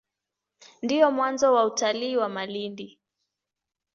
Ndio mwanzo wa utalii wa Malindi.